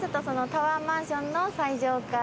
タワーマンションの最上階？